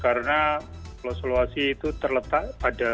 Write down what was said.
karena pulau sulawesi itu terletak pada pertempatan